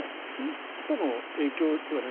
ヒ素の影響ではない。